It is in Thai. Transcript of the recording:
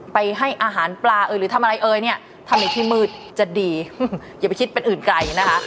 ให้อาหารปลาเอ่ยหรือทำอะไรเอ่ยเนี่ยทำในที่มืดจะดีอย่าไปคิดเป็นอื่นไกลนะคะ